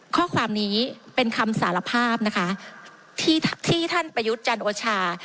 ข้อความนี้เป็นคำสารภาพนะคะที่ท่านประยุทธ์จันโอชา